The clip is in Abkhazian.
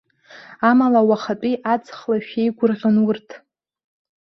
Амала, уахатәи аҵхлашә еигәырӷьон урҭ.